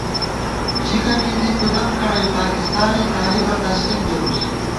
ژِکہ مِنزی پُدَم کھڑَئی پاکستانےطالِبہ تسلیم کېرُوس